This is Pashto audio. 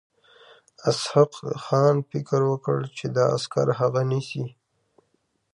اسحق خان فکر وکړ چې دا عسکر هغه نیسي.